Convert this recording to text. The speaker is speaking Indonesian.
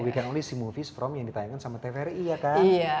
we can only see movies from yang ditanyakan tvri ya kan